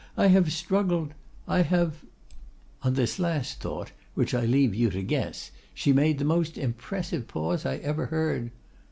I have struggled! I have——' On this last thought, which I leave you to guess, she made the most impressive pause I ever heard.